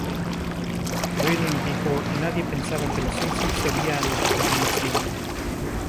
Groening dijo: "Nadie pensaba que "Los Simpson" sería lo que terminó siendo.